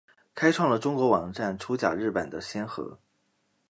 开创了中国网站出假日版的先河。